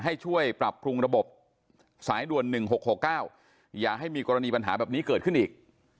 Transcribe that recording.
ให้ช่วยปรับปรุงระบบสายด่วน๑๖๖๙อย่าให้มีกรณีปัญหาแบบนี้เกิดขึ้นอีก